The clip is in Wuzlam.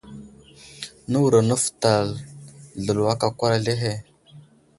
Nə wuro nəfətel zlelo aka akwar azlehe.